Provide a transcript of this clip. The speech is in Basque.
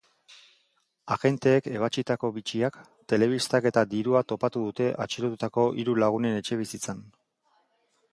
Agenteek ebatsitako bitxiak, telebistak eta dirua topatu dute atxilotutako hiru lagunen etxebizitzan.